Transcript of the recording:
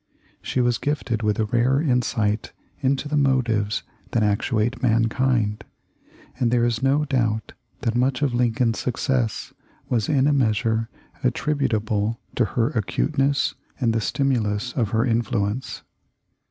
She was gifted with a rare insight into the motives that actuate mankind, and there is no doubt that much of Lincoln's success was in a measure attributable to her acuteness and the stimulus of her influence.